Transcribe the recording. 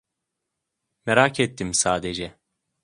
Merak ettim sadece.